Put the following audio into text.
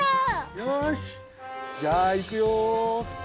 よしじゃあいくよ。